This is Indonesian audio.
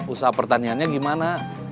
usaha pertaniannya gimana